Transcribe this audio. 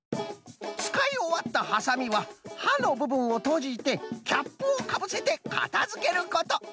つかいおわったハサミははのぶぶんをとじてキャップをかぶせてかたづけること！